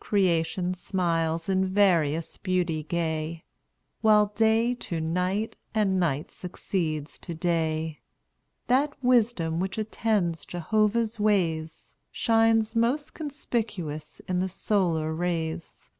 Creation smiles in various beauty gay, While day to night, and night succeeds to day. That wisdom which attends Jehovah's ways, Shines most conspicuous in the solar rays.